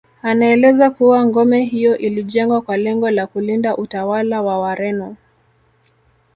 Anaeleza kuwa ngome hiyo ilijengwa kwa lengo la kulinda utawala wa Wareno